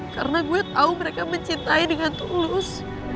karena gue tau mereka mencintai dengan tulus